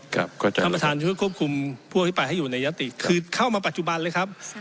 ครับก็จะคือเข้ามาปัจจุบันเลยครับ